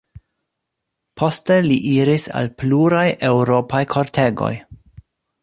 Poste li iris al pluraj eŭropaj kortegoj.